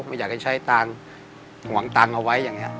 ไม่อยากให้ใช้ตังค์หวังตังค์เอาไว้อย่างนี้